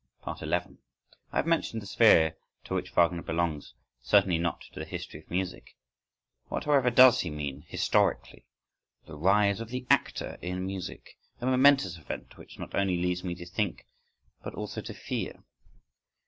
… 11. —I have mentioned the sphere to which Wagner belongs—certainly not to the history of music. What, however, does he mean historically?—The rise of the actor in music: a momentous event which not only leads me to think but also to fear.